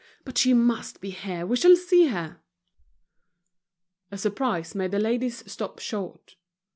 But she must be here, we shall see her." A surprise made the ladies stop short.